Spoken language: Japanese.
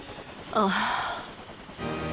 ああ。